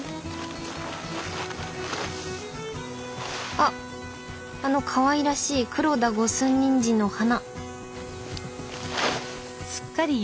あっあのかわいらしい黒田五寸ニンジンの花。